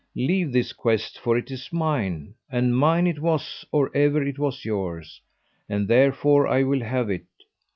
leave this quest for it is mine, and mine it was or ever it was yours, and therefore I will have it.